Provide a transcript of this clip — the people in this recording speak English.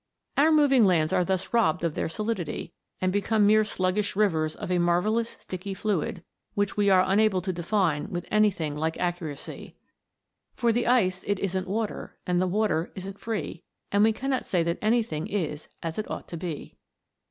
Our moving lands are thus robbed of their solidity, and become mere sluggish rivers of a marvellous sticky fluid, which we are unable to define with anything like accuracy, " For the ice it isn't water, and the water isn't free, And we cannot say that anything is as it ought to be."